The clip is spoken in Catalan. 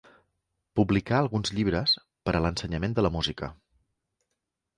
Publicà alguns llibres per a l'ensenyament de la música.